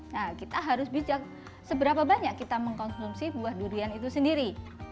nah kita harus bijak seberapa banyak kita mengkonsumsi buah durian itu sendiri